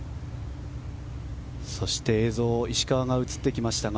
そして石川が映ってきました。